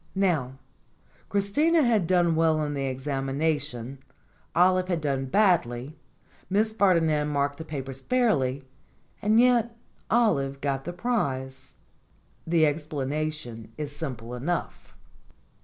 Now, Christina had done well in the examination, Olive had done badly, Miss Ferdinand marked the papers fairly, and yet Olive got the prize. The ex planation is simple enough.